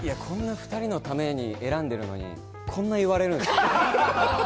２人のために選んでいるのに、こんなに言われるんですね。